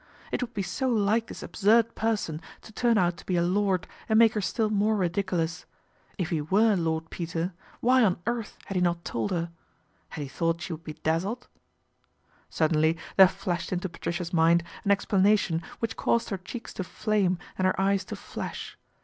It would be so like this absurd person to turn out to be a lord and make her still more ridiculous. If he were Lord Peter, why on earth had he not told her ? Had he thought she would be dazzled ? Suddenly there flashed into Patricia's mind an explanation which caused her cheeks to flame and her eyes to flash.